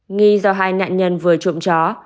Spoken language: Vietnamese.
nghi do hai nạn nhân vừa trộm chó